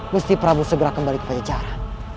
mesti prabu segera kembali ke pajajara